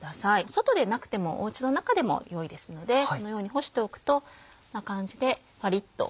外でなくてもお家の中でもよいですのでこのように干しておくとこんな感じでパリっと。